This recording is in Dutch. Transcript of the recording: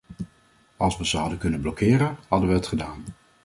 Als we ze hadden kunnen blokkeren, hadden we het gedaan.